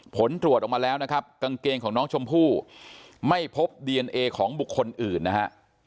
ผลตรวจออกมาแล้วนะครับกางเกงของน้องชมพู่ไม่พบดีเอนเอของบุคคลอื่นนะฮะ